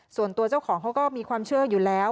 ส่วนตัวเจ้าของเขาก็มีความเชื่ออยู่แล้ว